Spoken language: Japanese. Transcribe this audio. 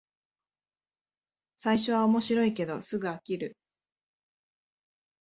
最初は面白いけどすぐ飽きる